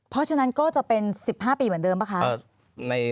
เพราะฉะนั้นก็จะเป็น๑๕ปีเหมือนเดิมป่ะคะ